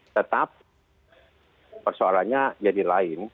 tetap persoalannya jadi lain